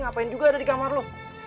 ngapain juga ada di kamar lo